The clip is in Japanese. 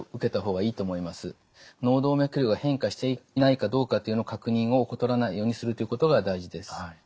脳動脈瘤が変化していないかどうかという確認を怠らないようにするということが大事です。